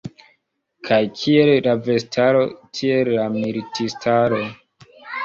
Kaj kiel la vestaro, tiel la militistaro.